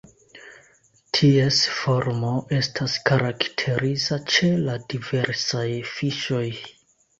Ties formo estas karakteriza ĉe la diversaj fiŝoj.